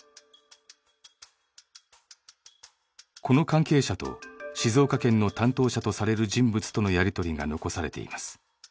この関係者と静岡県の担当者とされる人物とのやり取りが残されています。